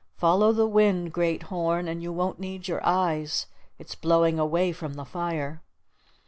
"Follow the wind, Great Horn, and you won't need your eyes. It's blowing away from the fire."